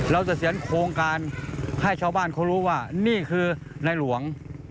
เราจะเสียงโครงการให้ชาวบ้านเขารู้ว่านี่คือนายหลวง